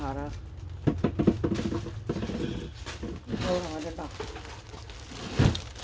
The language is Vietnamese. không có hóa đơn đỏ